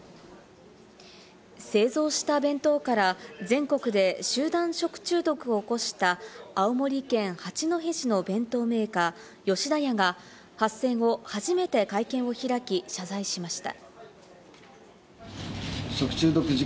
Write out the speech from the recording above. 製造した弁当から全国で集団食中毒を起こした青森県八戸市の弁当メーカー・吉田屋が発生後、初めて会見を開き、謝罪しました。